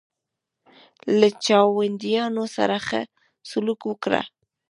له چاونډیانو سره ښه سلوک وکړه.